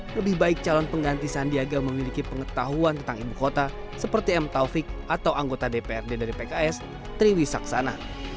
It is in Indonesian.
lebih baik calon pengganti sandiaga memiliki pengetahuan tentang ibu kota seperti m taufik atau anggota dprd dari pks triwi saksana